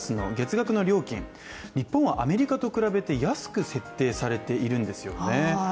日本はアメリカと比べて安く設定されているんですよね。